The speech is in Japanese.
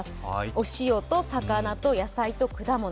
お塩と魚と野菜と果物。